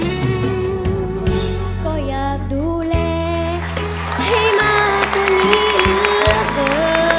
แต่กลัวจะเพลินจนเพ้อทำเกินนาที